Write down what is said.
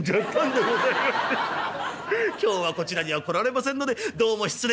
今日はこちらには来られませんのでどうも失礼」。